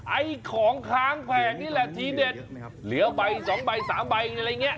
ไอ้ของค้างแผงนี่แหละทีเด็ดเหลือใบสองใบสามใบอะไรอย่างเงี้